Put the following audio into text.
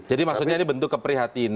jadi maksudnya ini bentuk keprihatinan